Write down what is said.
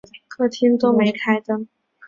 客厅都没开灯